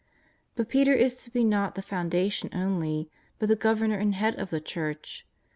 But Peter is to be not the foundation only, but the Governor and Head of the Church.